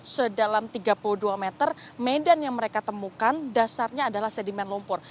sedalam tiga puluh dua meter medan yang mereka temukan dasarnya adalah sedimen lumpur